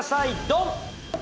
どん！